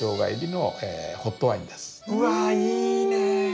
うわいいね。